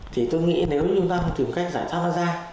thì tôi nghĩ nếu chúng ta tìm cách giải thoát nó ra